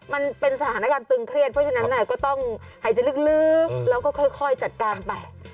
มันเป็นสถานการณ์ตึงเครียดเพราะฉะนั้นก็ต้องหายใจลึกแล้วก็ค่อยจัดการไป